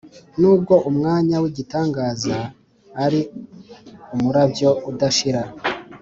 nubwo umwanya wigitangaza ari umurabyo udashira